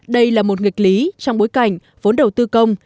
đây là một nghịch lý trong bối cảnh vốn đầu tư công